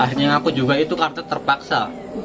akhirnya ngaku juga itu kata terpaksa